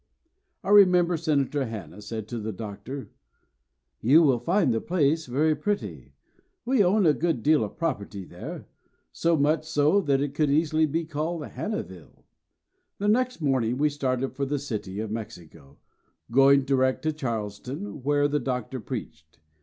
I remember Senator Hanna said to the Doctor, "You will find the place very pretty; we own a good deal of property there, so much so that it could easily be called Hannaville." The next morning we started for the City of Mexico, going direct to Charleston, where the Doctor preached.